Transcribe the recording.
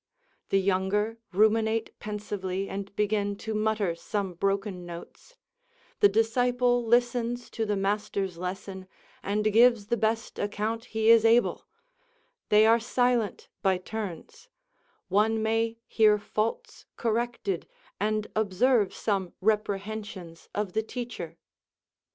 The younger ruminate pensively and begin to mutter some broken notes; the disciple listens to the master's lesson, and gives the best account he is able; they are silent oy turns; one may hear faults corrected and observe some reprehensions of the teacher.